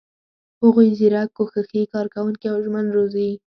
هغوی زیرک، کوښښي، کارکوونکي او ژمن روزي.